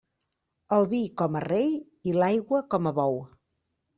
El vi com a rei i l'aigua com a bou.